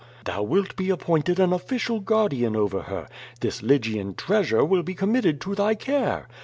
Thou wilt be appointed an official guardian over her. This Lygian treasure will be committed to thy care.